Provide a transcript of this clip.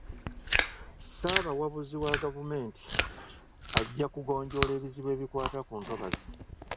Ssaabawabuzi wa gavumenti ajja kugonjoola ebizibu ebikwata ku ntobazi.